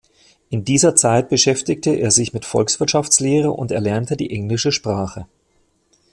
In dieser Zeit beschäftigte er sich mit Volkswirtschaftslehre und erlernte die englische Sprache.